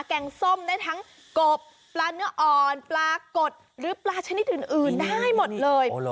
งส้มได้ทั้งกบปลาเนื้ออ่อนปลากดหรือปลาชนิดอื่นได้หมดเลย